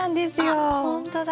ほんとだ